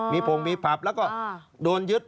มีผงมีผับแล้วก็โดนยึด